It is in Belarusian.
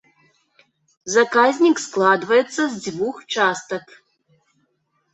Заказнік складаецца з дзвюх частак.